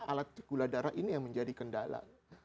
alat gula darah ini yang menjadi kendala